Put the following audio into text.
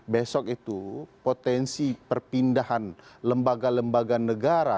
besok itu potensi perpindahan lembaga lembaga negara